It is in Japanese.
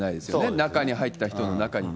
中に入った人の中にね。